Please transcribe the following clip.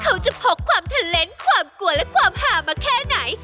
เขาจะพกความเทอร์เลนส์ความกลัวและความหามาแค่ไหน